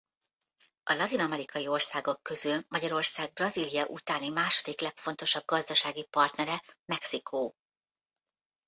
A latin-amerikai országok közül Magyarország Brazília utáni második legfontosabb gazdasági partnere Mexikó.